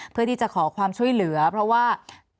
เพื่อที่จะขอความช่วยเหลือเพราะว่า